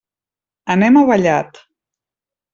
Anem a Vallat.